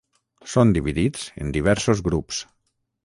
Són dividits en diversos grups.